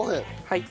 はい。